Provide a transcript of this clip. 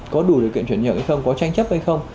có đủ điều kiện chuyển nhượng hay không có tranh chấp hay không